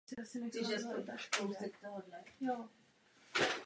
Marie Louisa byla nucena opustit císařský dvůr ve Vídni.